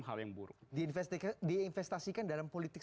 hal yang buruk diinvestasikan dalam politik